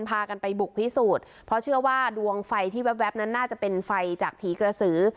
พากันไปบุกพิสูจน์เพราะเชื่อว่าดวงไฟที่แว๊บนั้นน่าจะเป็นไฟจากผีกระสือ